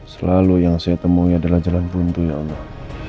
selalu yang saya temui adalah jalan buntu ya allah